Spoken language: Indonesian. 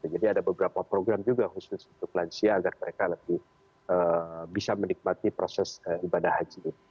jadi ada beberapa program juga khusus untuk lansia agar mereka lebih bisa menikmati proses ibadah haji